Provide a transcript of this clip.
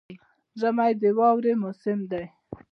ژمی د واورې موسم دی